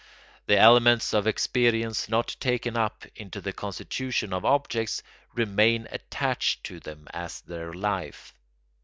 The elements of experience not taken up into the constitution of objects remain attached to them as their life.